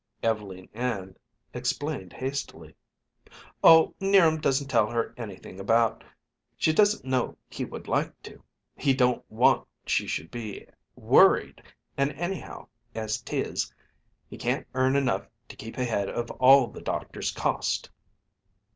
Ev'leen Ann explained hastily: "Oh, 'Niram doesn't tell her anything about She doesn't know he would like to he don't want she should be worried and, anyhow, as 'tis, he can't earn enough to keep ahead of all the doctors cost."